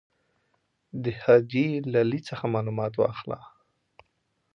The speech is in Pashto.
د حاجي لالي څخه معلومات واخله.